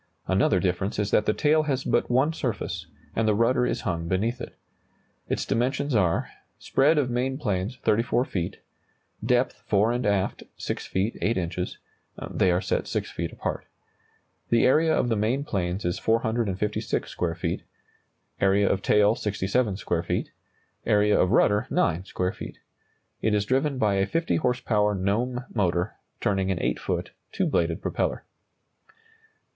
Another difference is that the tail has but one surface, and the rudder is hung beneath it. Its dimensions are: Spread of main planes, 34 feet; depth (fore and aft), 6 feet 8 inches; they are set 6 feet apart. The area of the main planes is 456 square feet; area of tail, 67 square feet; area of rudder, 9 square feet. It is driven by a 50 horsepower Gnome motor, turning an 8 foot, two bladed propeller.